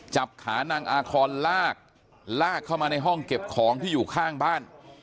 จับขานางอาคอนลากลากเข้ามาในห้องเก็บของที่อยู่ข้างบ้าน